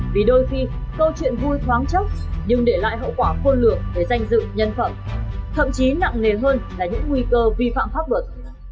vì đôi khi câu chuyện vui thoáng chốc nhưng để lại hậu quả khôn lược về danh dự nhân phẩm thậm chí nặng nề hơn là những nguy cơ vi phạm pháp luật